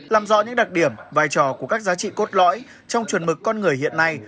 làm rõ những đặc điểm vai trò của các giá trị cốt lõi trong chuẩn mực con người hiện nay